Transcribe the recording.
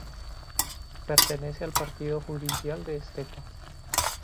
Pertenece al partido judicial de Estepa.